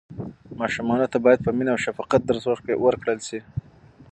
ماشومانو ته باید په مینه او شفقت درس ورکړل سي.